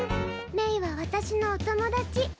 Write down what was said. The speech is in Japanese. メイは私のお友達。